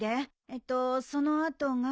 えっとその後が。